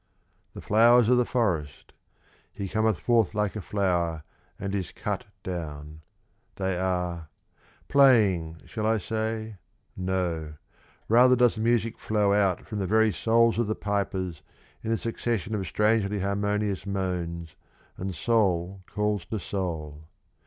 "The Flowers of the Forest" ("He cometh forth like a flower, and is cut down") they are playing, shall I say? No; rather does the music flow out from the very souls of the pipers in a succession of strangely harmonious moans, and soul calls to soul.